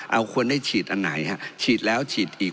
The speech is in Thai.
เอาควรได้ฉีดอันไหนฮะฉีดแล้วฉีดอีก